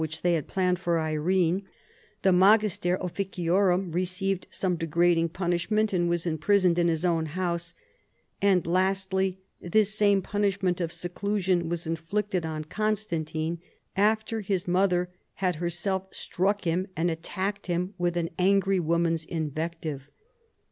which they had planned for Irene ; the magister officioi'um received some degrading punishment and was imprisoned in his own house ; and lastly this same punishment of seclusion was inflicted on Con stantine, after his mother had herself struck him and attacked him with an angry woman's invective.